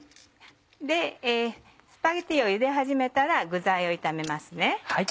スパゲティをゆで始めたら具材を炒めますね。